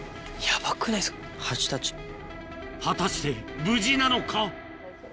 果たして無事なのか？